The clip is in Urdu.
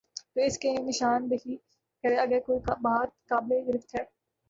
تو اس کی نشان دہی کرے اگر کوئی بات قابل گرفت ہے۔